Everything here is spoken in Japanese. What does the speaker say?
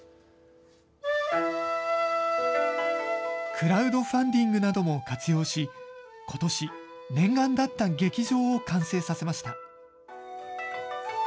クラウドファンディングなども活用し、ことし、念願だった劇場を完成させました。